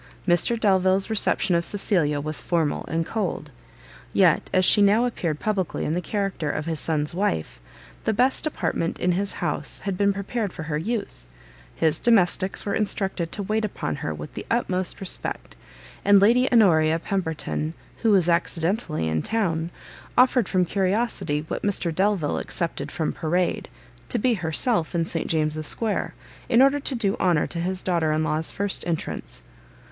Mr Delvile's reception of Cecilia was formal and cold: yet, as she now appeared publicly in the character of his son's wife, the best apartment in his house had been prepared for her use, his domestics were instructed to wait upon her with the utmost respect, and Lady Honoria Pemberton, who was accidentally in town, offered from curiosity, what Mr Delvile accepted from parade, to be herself in St James's square, in order to do honour to his daughter in law's first entrance.